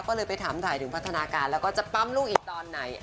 ก็เลยไปถามถ่ายถึงพัฒนาการแล้วก็จะปั๊มลูกอีกตอนไหน